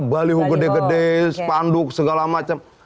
balihu gede gedes panduk segala macam